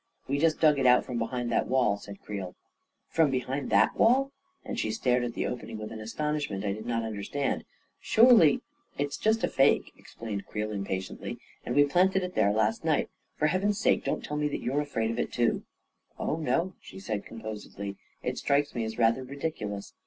" We just dug it out from behind that wall," said Creel. " From behind that wall? " and she stared at the opening with an astonishment I did not understand. " Surely ..."" It's just a fake," explained Creel impatiently, 11 and we planted it there last night. For heaven's sake, don't tell me that you're afraid of it, too I "" Oh, no," she said composedly. " It strikes me as rather ridiculous.